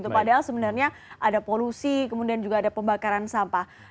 padahal sebenarnya ada polusi kemudian juga ada pembakaran sampah